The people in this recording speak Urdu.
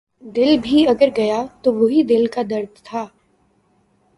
دل بھی اگر گیا تو وہی دل کا درد تھا